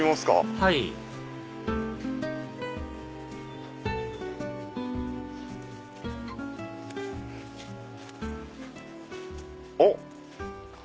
はいあっ。